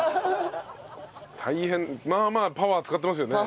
大変まあまあパワー使ってますよね。